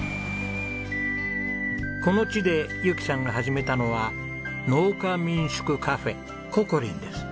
この地でゆきさんが始めたのは農家民宿カフェｃｏｃｏ−Ｒｉｎです。